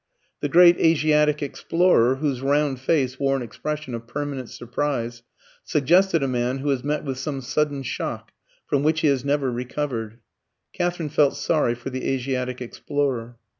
The great Asiatic explorer, whose round face wore an expression of permanent surprise, suggested a man who has met with some sudden shock from which he has never recovered. Katherine felt sorry for the Asiatic explorer.